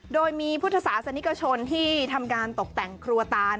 โดยมีพุทธศาสนิกชนที่ทำการตกแต่งครัวตาน